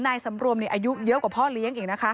นายสำรวมอายุเยอะกว่าพ่อเลี้ยงอีกนะคะ